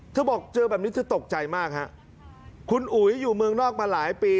เธอบอกเจอแบบนี้เธอตกใจมากฮะคุณอุ๋ยอยู่เมืองนอกมาหลายปี